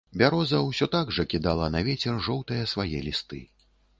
Бяроза ўсё так жа кідала на вецер жоўтыя свае лісты.